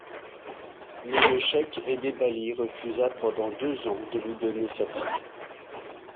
Mais le sheikh Edebali refusa pendant deux ans de lui donner sa fille.